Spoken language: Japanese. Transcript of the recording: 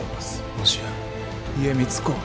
もしや家光公は。